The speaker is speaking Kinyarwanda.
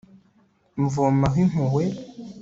mvomaho impuhwe